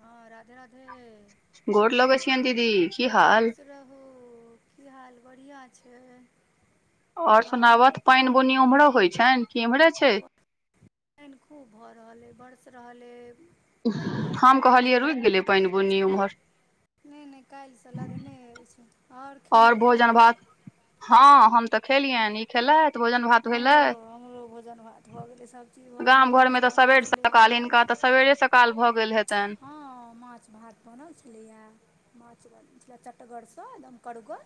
हँ राधे राधे गोर लगै छियनि दीदी की हाल खुश रहु की हाल बढ़िआँ छै और सुोना बोथ त पानि बुनी उम्हरो होइ छनि की इम्हरे छै पाइन खूब भऽ रहल अइ बरस रहल अइ हम कहलियै रुकि गेलै पाइन बुनी ओम्हर नहि नहि काइल सँ लधने अछि और भोजन भात हँ हम तऽ खेलियनि ई खेलथि भोजन भात भेलथि हमो भोजन भात भऽ गेलै सभ चीज भऽ गेलै माछ बनल छलैए हनिका त सबेरे सक काल भऽ गेल हेतनि हँ माछ भात बनल छलैए माछ म चटगर सँ एकदम करगर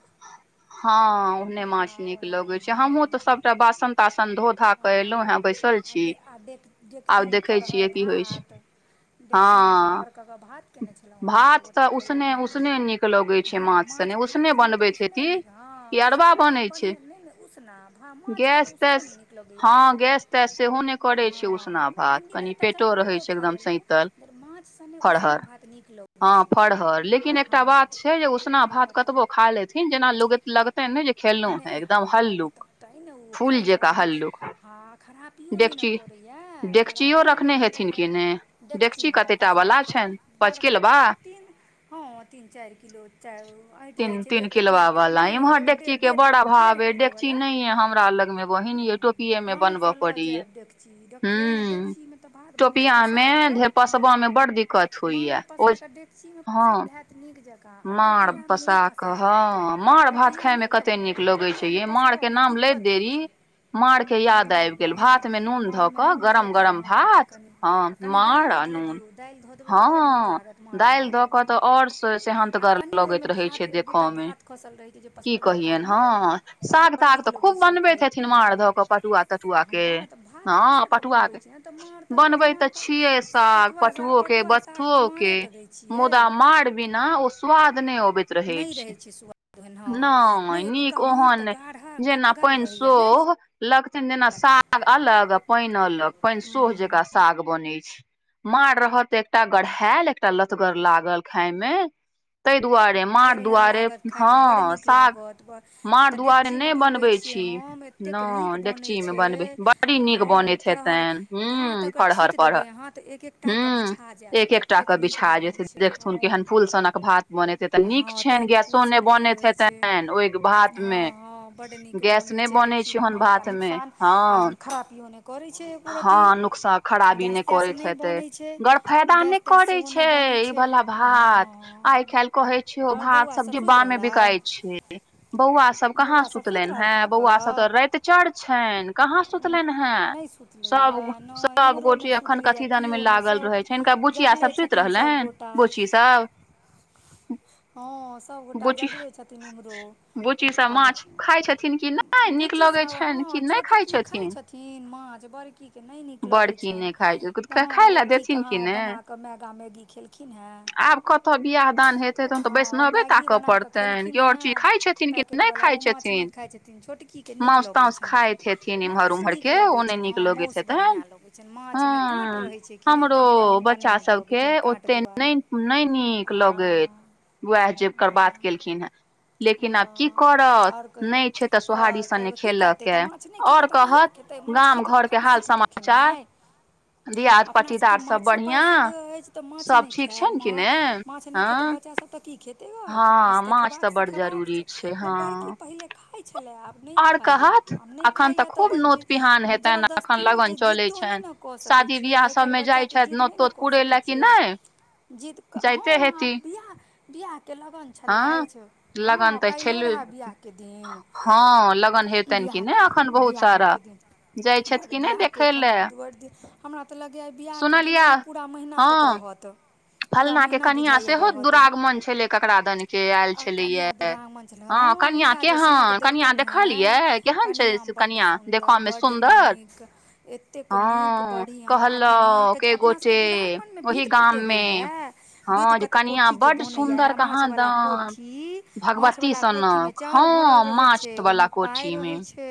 हँ ओहने माछ नीक लगैत छै हमहुँ तऽ सब बासन तासन धो धा के एलों हें बैसल आ ड आ डेक डेकचीमे फरहर भात डेकचीमे फरहर कऽ कऽ भात कयने छलहुँ है सभगोटा खयेलहुँ है [inaudible] हँ माछ भात त नहि तऽ उसने नीक हँ उसना भात बढ़िएँ नाए नाए ने उसना ह माछ मे त उसने निकल हँ गैस तैस सेहो नहि करैत छै उसना भात कनी पेटो रहैत छै एकदम स माछसँ नहि उसने भात नीक लगैत छै [inaudible] आर हँ छै जे उसना भात कतबो खा लेथिन जेना लोग लगत तेँ ने जे खेलहुँ हे, एकदम हलुक-फूल जकाँ हलुक। खराबियो नहि करै, खराबियो नहि करै। देखथिन हँ, पसाकऽ बड़का तीन-चारि किलो। चाहे अटि जाइ छै [unintelligible] बड़का डेकची नहि य, हमरा लगमे बहिन य, टोकरीमे बनबै पड़तै। देखिये डेकचीमे तऽ भात बनै छै पकऽ। ओहिमे पसेबऽमे बड़ दिक्कत होइ छै, हँ। तऽ निक जकाँ। माड़ बसा कऽ, हँ, माड़-भात खाइमे कतेक निक लगै छै। लगे छै, ये माँड़के नाम लैत देरी। माड़के याद आबि गेल, भातमे नून धऽ कऽ गरम-गरम भात, हँ। माँड़ आ नुन हा, दएल दऽ कऽ, आओर स। गर लगैत रहै छै, देखऽ मे कि। कहियन हँ, साग ताग तऽ खूब बनबे हेथिन, माँड़ धऽ क पटुआ तटुआ के। भात कसाके बनबे छै तऽ माँड़ त। बनबे तऽ छिये साग पटुओके बतथओके मुदा माँड़ बिना ओ। स्वाद नहि अबैत रहै छै, नहि। एतुका माँड़ तऽ गाढ़ा गर रहैया ने। लगै छै जेना साग अलग, पान अलग, पानसँ जकाँ साग। माँड़ रहत एकटा गढ़ायल एकटा लतगर लागल खाय मे ताहि दुआरे माँड़ दुआरे हँ, साग माँड़ दुआरे नहि बनबे। डेकचीमे नहि बनबे बड़ी निक बनैत हेतनि ह फरहर पर। फारि-फारि कऽ, एकटा-एकटा बिछा जेतै, देखथूँ केहन फूल सनक भात बनेत। तऽ निक छैन गैसो नहि बनैत हेतनि ओहि भातमे हँ, बड्ड निक बनै छै, डेकचीमे भात आ नुकसान आ खरापियो नहि करै छै। हँ, नुकसा खराबी नहि करैत हेते, गर फायदा नहि करे छै ई भला। भात आइ काल कहे छिय भात सभ जे मे बिकाय छै। बौआ सभ कहाँ सुतलनि हे बौआ सभ तऽ राति चढ़ छनि कहाँ सुतलनि हेन। सभ सभ गोटे एखन कथि दनमे लागल रहै छै, हिनका बुचिया सभ सुति रहलनि ह। बूच्ची सभ। हँ, सभगोटा जगले छथिन इम्हरो। आब बुच्ची सभ हँ, छोटकी खाइ छथिन। तीन माछ भर कि कहलखिन नहि, नीक लगै छै तऽ हँ। आओर की कहू, बनाकऽ मैगी खेलखिन। खिन ह। तऽ विहादान। तखन तऽ वैष्णवेसँ ताकऽ पड़तनि कि आओर चीज खाइत छथिन कि नहि खाइत छथिन। मांस-तांस खाइतथिन्हे इम्हर-उम्हरके, ओना ने? लगैत हेथिन हँ, हमरो बच्चा सभके एतेक नहि। नहि निक लगैत उएह जेबकर बात केलखिन हेँ लेकिन आब। कि करत नहि छै, तऽ सोहारी सने खेलक आओर कहत गाम घर। के हाल समाचार। अपना सभके माछो प्रसिद्ध अछि, तऽ माछ नहि खायब माछ, नहि खेतै बच्चा सभ। तऽ की खैतै गा? माछ तऽ खेबाक सिखेबाक छै, जे बड़की पहिले खाइत छलै आब। नहि खाइए, आब नहि खाइए तऽ जबरदस्तीओ जिद्दो नहि ने। शादी बिियाह सबमे जाइ छथि नोत तोत पूुरे लए कि नहि जिद कऽ हँ आ बिआ बिआाहके लगन छलथि हँ काल्हिो रहै बिआाहके दिन हँ लगन हेतनि किी नहि अखन बहुत सारा बड़ विियाहके एखन भड़ि दिन हमरा तऽ लगैए बियाहके दिन ई पूरा महीना तक रहत तऽ पूरा महिना बुझाइय रहत मन छलैय कनिआँ दुरागमन छलै हँ हुनका जे साँठ देलकनि हेँ कनििया बड्ड सुन्दर बड्ड नीक एतेक नीक बड बढ़िया आ कनिया के अपना सब के दुरागमन मे विध कते होइ या य विद्य क जे कोठी बनैय माछ वला कोठी माछ वला कोठी मे चाउर भरल रहै छै ओहिमे पाय रहै छै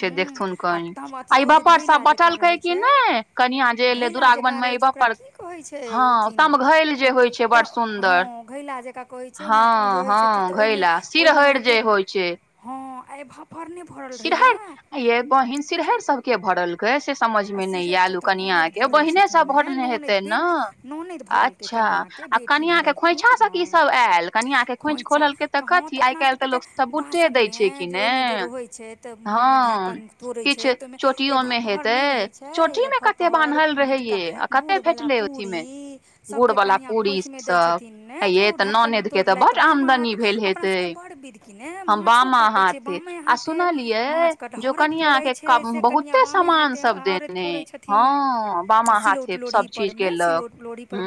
हूं आ तम अथियो जै यो घैला जका रहै छै घैला जकाँ रहै छै ओकरा की कहै छै ओथि नऽ ओति तऽ हँ घैला जकाँ कहै छै माछ उजे रहैत छथिन तऽ ओहिमे ओहिमे अहाँके हँ एभ भरने सिरहैर एये बहिन सिरहैर सबके केय भरलकै से समझ मे नहि एल कनिया के बहिने सब भरने हेतै न आ अच्छा आ कनिया के खोइछाँ की सब आयल कनिया के खोइछ खोललक तऽ कथी आइ काल्हि तऽ लोक सब बूटे दै छै कि नऽ हँ किछ चोटियो मे हेतै चोटीमे कते बान्हल रहहियै आ कते भेटलै ओथीमे गुड़ वालला पूड़ी सब ह ये तऽ ननद के तऽ बड्ड आमदनी भेल हेतेय हम बामा अहाँथ आ सुना लिए जो कनिया के बहुते समान सब देने हँ बामा हाथे सब चीज केलक हू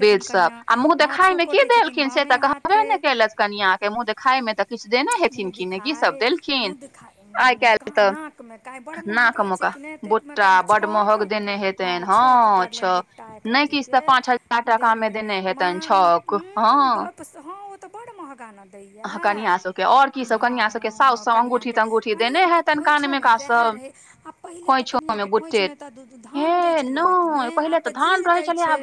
बेद सब आ मुह देखााय में की देलखिन से तऽ कहबे ने केलथि कनिया के मुँह दे खााय मे तऽ किछु देने हेथिन कि नऽ की सब मुहॅं देखाई कान नाक मे काय बड़ महगा छै चिकनेक त एकमे कनि छौक हँ छौक पड़लनि भुट्टा एक रत्तीके देलियनि माई उ हु उ ओ तऽ बड्ड महँगा नऽ दई या हाँ कनिया के कनियौ के खोइछो मे छैहाय रहै अब पहिले तऽ कनिआँके खोँइछमे तऽ धान दै छलैय कि नहि आब तऽ जीर दै छै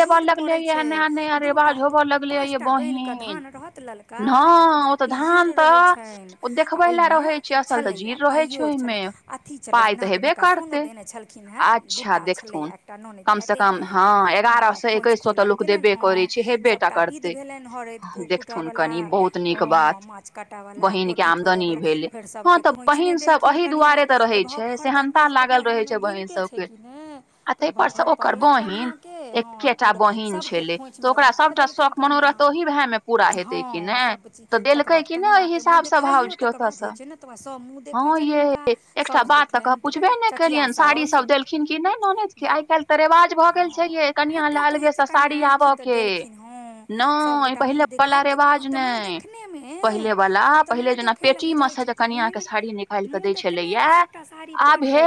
जीर पड़ैत छै दूटा पाँच टा गान्नहिे धान रहत ललका का बाँकी जीर रहै छनि आ ओहिमे छलैए पाइओ आर छलनि अथी छलै नाक मे कय सोनो देने छलखिन है बुट्टा छलय एकटा नोनेद छलै देने हाॅं खोइछ खोलेल गेलेन हाॅं सबटा विध भेलेन हरैद कु कुटब बला ओ हँ माँछ काँटैवला कोठी फोड़ैवला फेर सबके खोइछमे देलखिन कनिआाँ एबहर फर तऽ अपना सबके दुर्गमन मे बनिते छै कि नहि तऽ एबहर फर पड़लनि कनियाॅं के हँ पूरा सभके खोँइछमे एबहर फर देलखिन कनिआँ हँ सभचीज तकर बाद कनियाॅंके मुँह देखाइयो तकर बाद होइ छै नऽ ओतबा सब मुॅंह देखै छनि हुनका एकटा बात तऽ कह पूछबे नहि केलियनि साड़ी सब देलखिन की नहि नौनेद के आइ काल्हि तऽ रिवाज भऽ गेल छैये कनिया लालबेसँ साड़ी आबऽ के नहि पहिले पहले बला रिवाज ने पहिले वाला पहिले जेना पेटी मे से कनिया के साड़ी नि काल दै छै लैया आब हे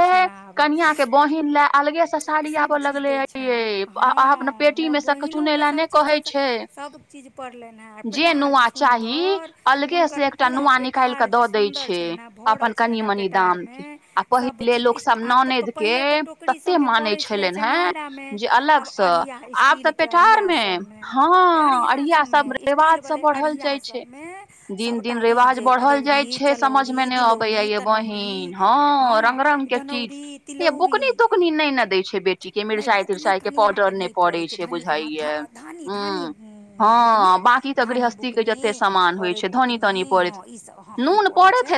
कनिया के बहिन ले अलगे से साड़ी आबे लगले ये छनि हँ हमर बहिनोके सबचीजसँ सब चीज पड़लनि हैं आ पेटार जे सुन्दर हुंनकर पूरा पेठार जे सुन्दर छलनि हे भरल छलै हँ पेट टारमे सब चीज आब तऽ पहिले तऽ टोकरी सबमे पड़ै छलै चेङ्ंगरामे अब अढ़िया स्टील के अढ़िया सब मे अढ़ियासब मे स्टील बाले अढ़िया सब मे सबटा ई जे अदौरी चलौरी दिलौरी तनौरी री हाँ धनौरी तिलौरी नहि बुकनी कनिआँकेँ नहि पड़ै छै धनि हाँ धा धानी धानी बुकनी धानी बुकनी हरैद बुकनी हँ ईसभ हँ ई पड़ै छै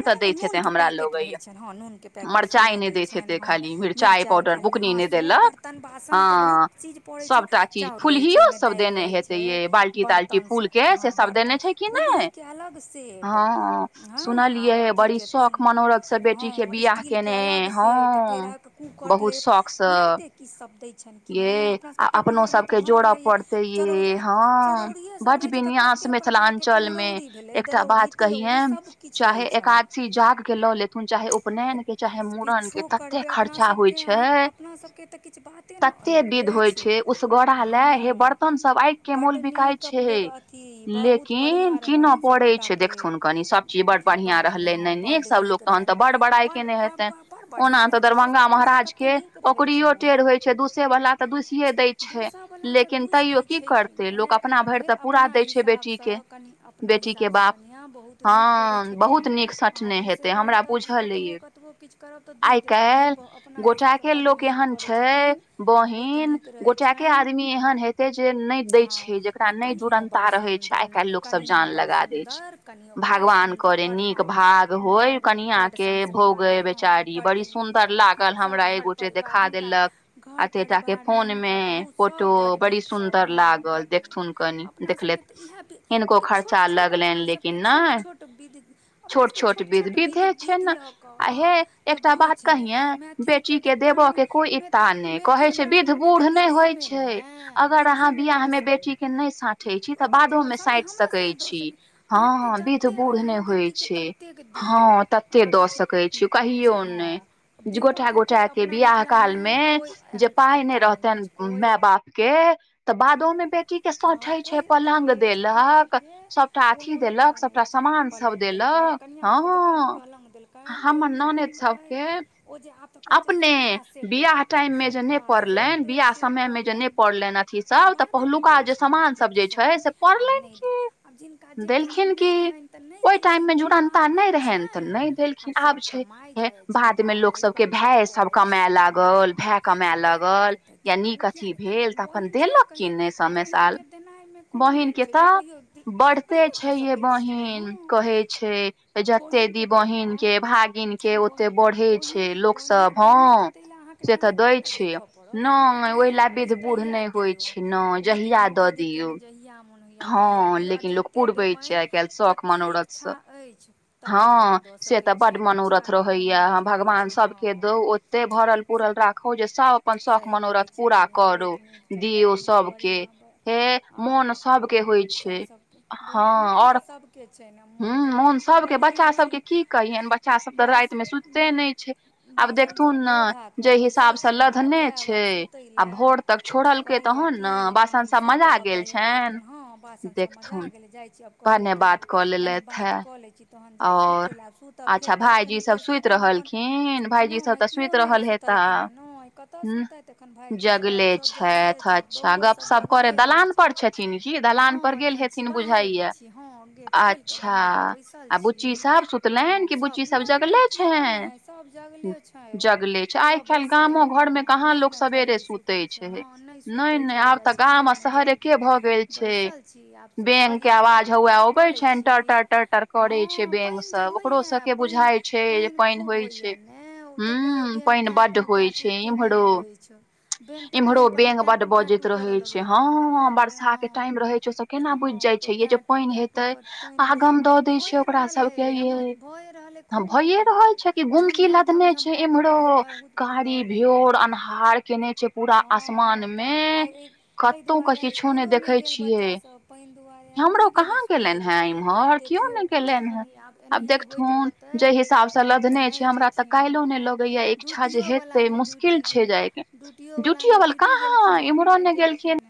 नून नूनके पैकेट रहै छनि हँ नूनके पैकेट सेहो दै छनि हँ मिरचाइ खाली हाँसु बर्तन बासन तऽ बहुत चीज पड़ैत छै चाउर रहै छै ओहिमे दालि रहै छै छै बर्तन सब हँ बर्तन फुल्हीके अलग सेट हँ आर अथीके प हँ स्टीलके अलग सेट फेर कुकर लेप मारिते की सब दै छनि कि नहि अपना सबके पेटारमे तऽ भरल रहैया चरौरी चरौरिये सब रहय छै तऽ कते प्रकार के कुम्हरौरी भेले दरौरी तिलौरी सब किछु रहै छै एकादशी जाग के लऽ लेथुन चाहे उपनयन के चाहे मुूड़न के तते खर्चा होइ छै अपना सबके तऽ किछु बाते ने अलग अछि हँ के मोल बिकाइ छै लेकिन कीन पड़े छै देखथुन कनि सब चीज बड़ बढ़िया रहलै ने नीक सभ लोक तहन तऽ बड बड़ाई केने हेतै ओना तऽ दरभंगा महाराज के ओकरियो टेढ़ होइ छै दुसे वला तऽ दुसिये दैय छै लेकिन तैयो की करतै अपना हिसाबसँ कनि अपना हिसाबसँ कनिया बहुत नीक करैत छथिन अहाँ दुसैवला तऽ कतबो कतबो किछु करब तऽ दुस देतै धरि अपना‌ हिसाब से बड्ड नीक करै छथिन बहुत नीक रहय छनि ह नइ कनियो बड्ड सुंदर नहि रहै कनियो बड्ड सुंदर कनियो बड़ा सुन्दर बड हाँ बड बड संस्कारी हाँ बड निक सब घर परिवार हुनका घर परिवारमे हुनका बहुत सब बड़ नीक सब हँ बड़ देखथुन कनि देखलथि हिनको खर्चा लगलनि लेकिन नहि विध अपना सबके छोट छोट विध बिध ल क तब हौ छै ने य बेटी के देबय के कोइ इता नहि कहै छै विध बूढ़ नहि होइ छै अगर अहाँ बियाह में बेटी वियाहों नहि साटे छी तऽ बादो मे साट सकै छी हँ बूढ़ नहि होइ छै हँ तते दऽ सकै छी कहियो नहि जे गोटा गोटा के वियाह काल मे जे पाय नहि रहतनि माय बाप के तऽ बादोमे बे कटी के सठे छै पलंग देलक सबटा अथी देलक सबटा सामान सब देलक हँ हमर ननद सबके अपने बियाह टाइम मे जे पलनि बियाह समय मे जे पड़लनि अथी सब त पहलूका जे सामान सब जे छै से पड़लनि की देलखिन की छनि तऽ नहि देलखिन आब आब छनि आब सभ कमाइ जाइ छनि भाय बाप तऽ पड़ै छनि हँ हँ तऽ देऽ देतनि किए नहि देतनि बहिन छै कहियौ हमै सब साल बहिन के तऽ बढ़ते छैय ये बहिन कहै छैय। जते दी बहिन के भागिन के ओते बढ़े छैय लोक सब हँ। से तऽ दै छैय नहि ओहि ल विध बुढ़ नहि होइ छैय नहि जहिया के जहिया मोन होइय तहिया दियौ आ जते देवैन जते इक्षा अछि तते अहा से तऽ बड्ड मनोरथ रहैए भगवान सभके दो ओते भरल पूरल राखौ जे सभ अपन शख मनोरथ पूरा करौ दियौ सबके हे मन के होइ छैय ह ह मोन सबके बच्चा सबके की कहियन बच्चा सब तऽ राति मे सुतते नहि छैय। आब देखथुन ने जय हिसाबसँ लधने छैय आ भोर तक छोड़लकै तहन कि कनि सुति रहबै बातके हँ बासन सब मजा गेलै जायछि अब कहलिय की आब कनि बात क लैय छि। तहन जायब सुतै लए आब सुतब फेर काल्हि खनि फेरसँ अपन अपन नहि केओ नहि सु तलखिन हँ नहि कतऽ सुतथि एखन भाइजी सब सब जगले छथि। बौओ सब जगले अछि हँ एखन छी बाहरे मे छी हँ गेट खोलिक बाहरेमे बैसल छि ह सब नहि नहि कियो नहि सब जगले छैय। जगले छैय आइ काल्हि गामो घरमे कहाँ लोक सबेरे सुतै छैय नहि नहि आब तऽ गाम आ शहर एके भऽ गेल छैय बैंक के आवाज हौए अबै छनि। टर टर टर टर करै छैय बैंग सब ओकरो सबके बुझाइ छैय जे पानि होइ छैय। ताहि दुआरे बैग टै टु टै टु केने अछि बेग त पानि पर बड बजैत रहे छैय हँ ह बर्षा के टाइम रहे छैय ओ सब केना बुझि जाइ छैय यै जे पानि हेतै आगम द ओकरा सबके यै भइे रहै छैय कि गुमकी लदने छैय इम्हरो। कारी भ्योर अन्हार केने छैय पूरा आसमान में। आइ ई ताहि दुआरे आइ इसकुलो नहि गेल बच्चा सभ पानि दुआरे आइ नहि गेल इसकुल। एमहर केव नहि केलनि हे आब देखथुन जेहि हिसाब से लदने छैय हमरा तऽ काल्हिो नहि लगैया इच्छा जे हेतय मुश्किल छैय जायके ड्यूटियो बल कहां एम्हरो नहि गेलखिन।